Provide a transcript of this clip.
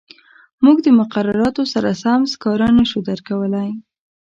موږ د مقرراتو سره سم سکاره نه شو درکولای.